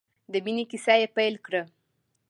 د مینې کیسه یې پیل کړه.